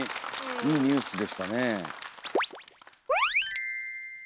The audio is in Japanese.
いいニュースでしたね。